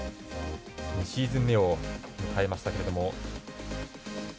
２シーズン目を迎えましたけれど。